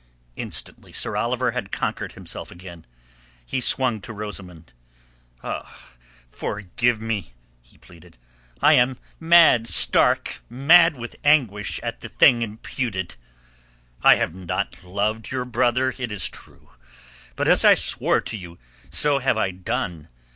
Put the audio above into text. Instantly Sir Oliver had conquered himself again. He swung to Rosamund. "Ah, forgive me!" he pleaded. "I am mad—stark mad with anguish at the thing imputed. I have not loved your brother, it is true. But as I swore to you, so have I done.